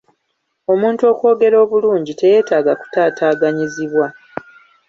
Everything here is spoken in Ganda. Omuntu okwogera obululngi, teyeetaaga kutaataaganyizibwa.